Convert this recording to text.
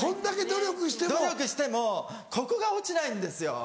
努力してもここが落ちないんですよ。